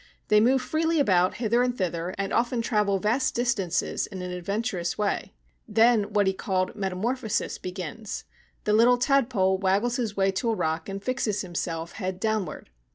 They move freely about hither and thither, and often travel vast distances in an adventurous way. Then what he called metamorphosis begins. The little tadpole waggles his way to a rock and fixes himself head downward.